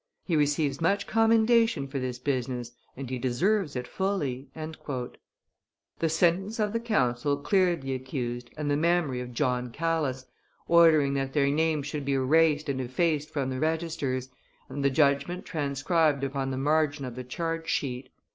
He receives much commendation for this business, and he deserves it fully." The sentence of the council cleared the accused and the memory of John Calas, ordering that their names should be erased and effaced from the registers, and the judgment transcribed upon the margin of the charge sheet.